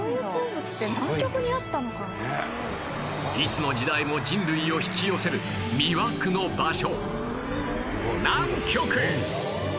いつの時代も人類を引き寄せる魅惑の場所南極！